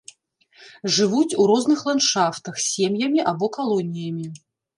Жывуць у розных ландшафтах, сем'ямі або калоніямі.